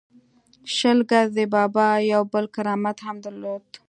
شل ګزی بابا یو بل کرامت هم درلود.